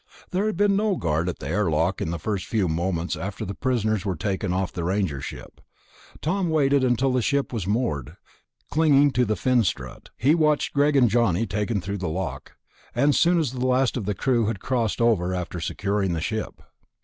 So there had been no guard at the airlock in the first few moments after the prisoners were taken off the Ranger ship. Tom had waited until the ship was moored, clinging to the fin strut. He watched Greg and Johnny taken through the lock, and soon the last of the crew had crossed over after securing the ship.